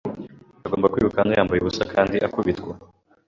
Agomba kwiruka hano yambaye ubusa kandi akubitwa